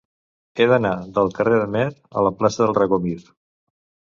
He d'anar del carrer de Meer a la plaça del Regomir.